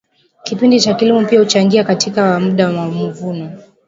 kipindi cha kilimo pia huchangia katika mda wa mavuno